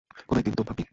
কোনো একদিন তো ভাববি।